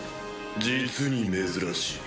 実に珍しい。